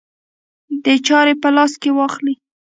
د چارې په لاس کې واخلي.